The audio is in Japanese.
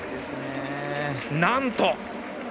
なんと！